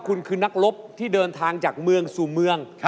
คุณคือนักรบที่เดินทางจากเมืองสู่เมือง